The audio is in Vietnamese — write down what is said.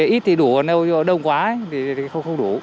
ít thì đủ còn đâu đông quá thì không đủ